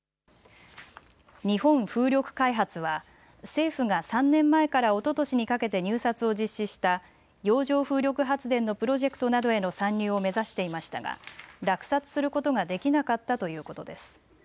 日本風力開発は政府が３年前からおととしにかけて入札を実施した洋上風力発電のプロジェクトなどへの参入を目指していましたが落札することができなかったということです。